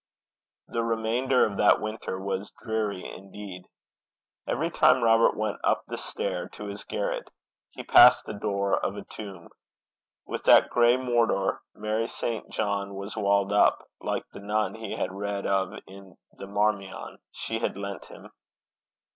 The remainder of that winter was dreary indeed. Every time Robert went up the stair to his garret, he passed the door of a tomb. With that gray mortar Mary St. John was walled up, like the nun he had read of in the Marmion she had lent him.